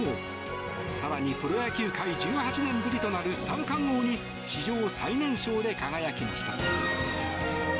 更にプロ野球界１８年ぶりとなる三冠王に史上最年少で輝きました。